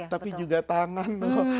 tapi juga tangan loh